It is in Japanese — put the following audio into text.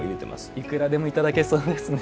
いくらでもいただけそうですね。